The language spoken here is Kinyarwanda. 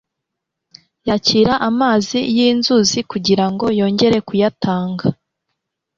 yakira amazi y'inzuzi kugira ngo yongere kuyatanga.